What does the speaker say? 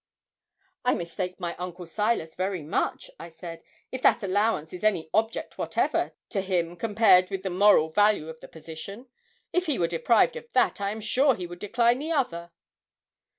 'I mistake my uncle Silas very much,' I said, 'if that allowance is any object whatever to him compared with the moral value of the position. If he were deprived of that, I am sure he would decline the other.'